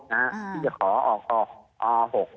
ถือผิดขอออกออกออกหก